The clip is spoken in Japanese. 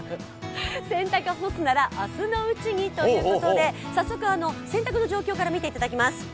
洗濯干すなら明日のうちにということで洗濯の状況から見ていきます。